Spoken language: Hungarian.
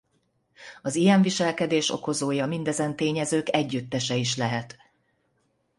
Az ilyen viselkedés okozója mindezen tényezők együttese is lehet.